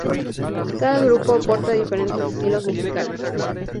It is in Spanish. Cada grupo aporta diferentes estilos musicales.